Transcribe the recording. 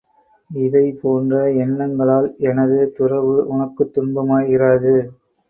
இவை போன்ற எண்ணங்களால் எனது துறவு உனக்குத் துன்பமாய் இராது.